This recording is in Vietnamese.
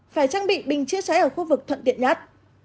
phải trang bị bình chữa cháy ở khu vực thuận tiện nhất